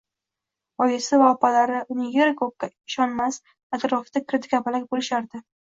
Oyisi va opalari uni er-u ko`kka ishonishmas, atrofida girdikapalak bo`lishardi